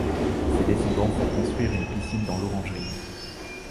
Ses descendants font construire une piscine dans l'orangerie.